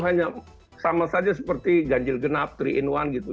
itu hanya sama saja seperti ganjil genap three in one gitu